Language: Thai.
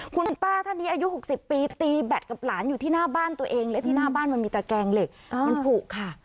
คุณป้าท่านนี้อายุ๖๐ปีตีแบตกับหลานอยู่ที่หน้าบ้านตัวเองและที่หน้าบ้านมันมีตะแกงเหล็กมันผูกค่ะ